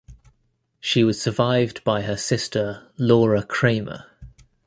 She was survived by her sister Laura Kramer.